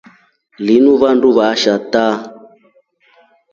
Linu vanduu vashaa vaataa.